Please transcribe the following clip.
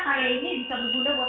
hari ini bisa berguna